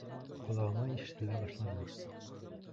Ҡолағыма ишетелә башланы.